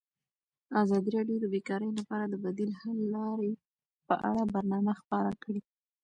ازادي راډیو د بیکاري لپاره د بدیل حل لارې په اړه برنامه خپاره کړې.